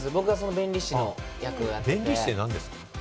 弁理士って何ですか？